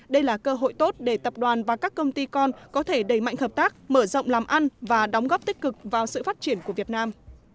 đây là cơ hội tốt để tập đoàn và các công ty con có thể đẩy mạnh hợp tác mở rộng làm ăn và đóng góp tích cực vào sự phát triển của việt nam